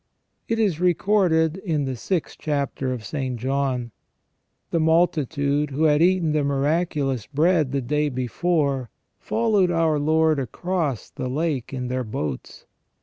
It is recorded in the 6th chapter of St. John. The multitude who had eaten the miraculous bread the day before followed our Lord across the lake in their boats.